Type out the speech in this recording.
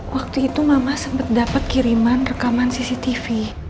waktu itu mama sempat dapat kiriman rekaman cctv